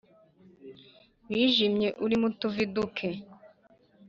wijimye urimo utuvi duke.